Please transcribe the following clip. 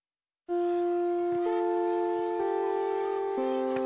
うん。